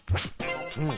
うん。